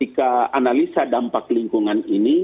ketika analisa dampak lingkungan ini